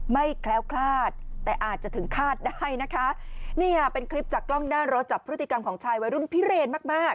แคล้วคลาดแต่อาจจะถึงคาดได้นะคะนี่ค่ะเป็นคลิปจากกล้องหน้ารถจับพฤติกรรมของชายวัยรุ่นพิเรนมากมาก